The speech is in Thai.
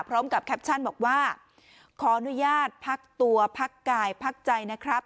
พร้อมกับแคปชั่นบอกว่าขออนุญาตพักตัวพักกายพักใจนะครับ